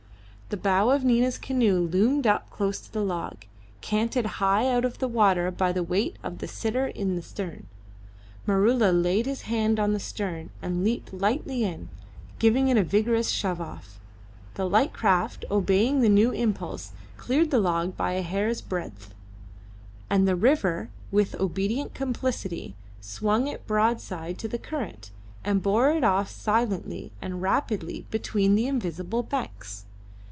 The bow of Nina's canoe loomed up close to the log, canted high out of the water by the weight of the sitter in the stern. Maroola laid his hand on the stem and leaped lightly in, giving it a vigorous shove off. The light craft, obeying the new impulse, cleared the log by a hair's breadth, and the river, with obedient complicity, swung it broadside to the current, and bore it off silently and rapidly between the invisible banks.